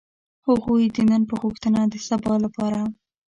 هغوی د نن په غوښتنه د سبا لپاره.